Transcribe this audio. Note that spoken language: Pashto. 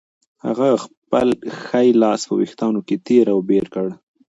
ده خپل ښی لاس په وېښتانو کې تېر او بېر کړ.